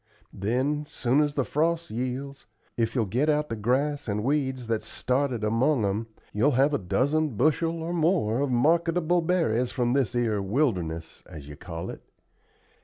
Then, soon as the frost yields, if you'll get out the grass and weeds that's started among 'em, you'll have a dozen bushel or more of marketable berries from this 'ere wilderness, as you call it.